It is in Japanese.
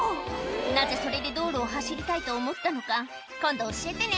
なぜそれで道路を走りたいと思ったのか今度教えてね